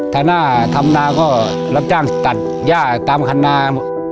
ถ้าหน้าทำนาก็รับจ้างตัดย่าตามคันนา